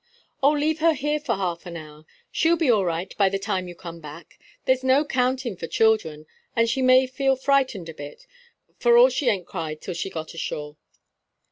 "Oh, leave her here for half an hour; she'll be all right by the time you come back; there's no 'counting for children, and she may feel frightened a bit, for all she ain't cried till she got ashore."